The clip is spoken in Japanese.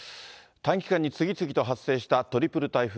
短期間に次々と発生したトリプル台風。